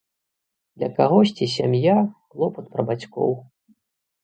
Для кагосьці сям'я, клопат пра бацькоў.